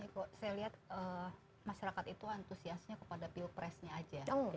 saya lihat masyarakat itu antusiasnya kepada pilpresnya saja